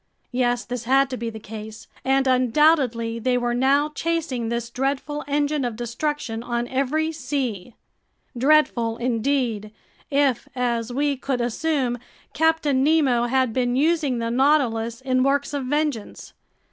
Yes, this had to be the case, and undoubtedly they were now chasing this dreadful engine of destruction on every sea! Dreadful indeed, if, as we could assume, Captain Nemo had been using the Nautilus in works of vengeance!